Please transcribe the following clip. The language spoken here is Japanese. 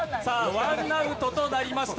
ワンアウトとなりました